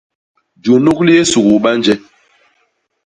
Junuk li yé suguu ba nje.